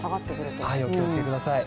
お気をつけください。